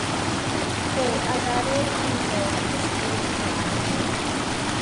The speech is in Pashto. خو ازادي هم یو نسبي خیال دی.